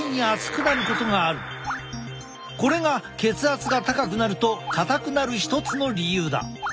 これが血圧が高くなると硬くなる一つの理由だ。